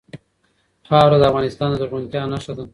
خاوره د افغانستان د زرغونتیا نښه ده.